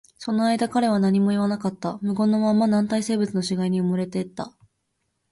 その間、彼は何も言わなかった。無言のまま、軟体生物の死骸に埋もれていった。